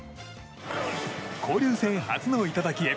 交流戦初の頂へ。